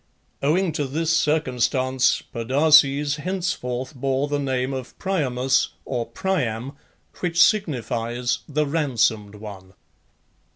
Owing to this circumstance Podarces henceforth bore the name of Priamus (or Priam), which signifies the "ransomed one."